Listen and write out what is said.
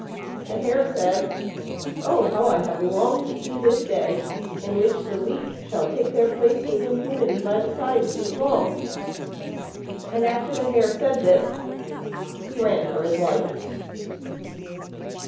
The Hare said, "Oh, how I have longed to see this day, in which the weak shall take their place with impunity by the side of the strong." And after the Hare said this, he ran for his life.